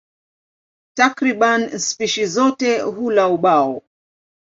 Takriban spishi zote hula ubao.